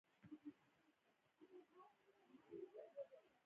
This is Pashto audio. د فرانسیس مخالفت له خلاق تخریب څخه سرچینه اخیسته.